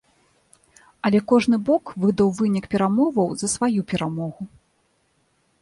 Але кожны бок выдаў вынік перамоваў за сваю перамогу.